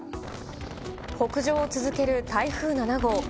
北上を続ける台風７号。